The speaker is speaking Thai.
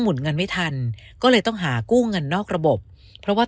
หนเงินไม่ทันก็เลยต้องหากู้เงินนอกระบบเพราะว่า